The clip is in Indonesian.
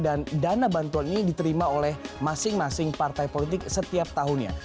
dan dana bantuan ini diterima oleh masing masing partai politik setiap tahunnya